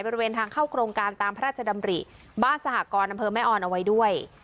บริเวณทางเข้าโครงการตามพระราชดำริบ้านสหกรอำเภอแม่ออนเอาไว้ด้วย